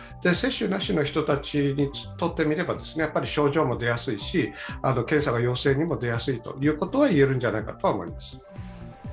接種なしの人たちにとってみれば、症状も出やすいし、検査が陽性にも出やすいということがいえるんじゃないかと思います。